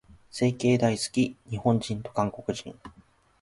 整形大好き、日本人と韓国人。